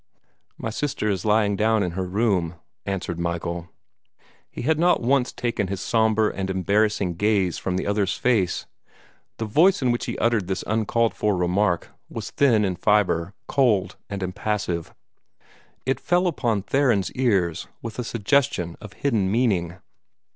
"My sister is lying down in her room," answered Michael. He had not once taken his sombre and embarrassing gaze from the other's face. The voice in which he uttered this uncalled for remark was thin in fibre, cold and impassive. It fell upon Theron's ears with a suggestion of hidden meaning.